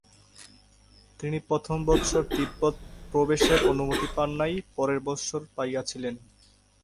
তিনি প্রথম বৎসর তিব্বত প্রবেশের অনুমতি পান নাই, পরের বৎসর পাইয়াছিলেন।